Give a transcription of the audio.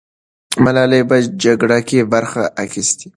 ملالۍ په جګړه کې برخه اخیستې.